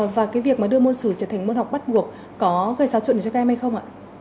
và cái việc mà đưa môn sử trở thành môn học bắt buộc có gây xáo trộn cho các em hay không ạ